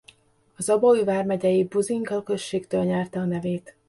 Az Abaúj vármegyei Buzinka községtől nyerte a nevét.